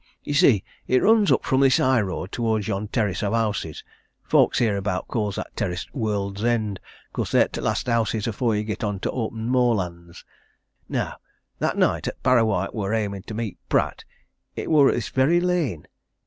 Ye see, it runs up fro' this high road towards yon terrace o' houses. Folks hereabouts calls that terrace t' World's End, 'cause they're t' last houses afore ye get on to t' open moorlands. Now, that night 'at Parrawhite wor aimin' to meet Pratt, it wor i' this very lane.